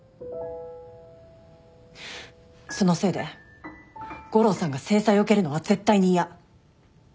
そのせいで悟郎さんが制裁を受けるのは絶対に嫌。